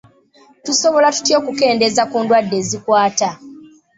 Tusobola tutya okukendeeza ku ndwadde ezikwata?